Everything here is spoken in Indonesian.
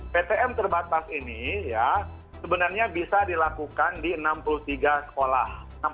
ptm terbatas ini ya sebenarnya bisa dilakukan di enam puluh tiga sekolah